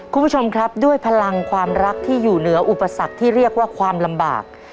คุณผู้ชมครับด้วยพลังความรักที่อยู่เหนืออุปสรรคที่เรียกว่าความลำบาก